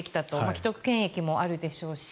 既得権益もあるでしょうし